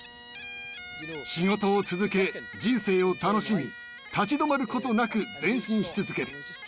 仕事を続け人生を楽しみ立ち止まることなく前進し続ける。